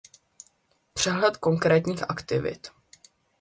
Přehled konkrétních aktivit.